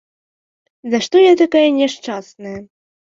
За што я такая няшчасная?